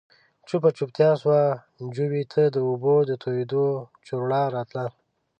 چوپه چوپتيا شوه، جووې ته د اوبو د تويېدو جورړا راتله.